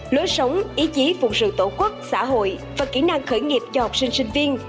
lối sống ý chí phụng sự tổ quốc xã hội và kỹ năng khởi nghiệp cho học sinh sinh viên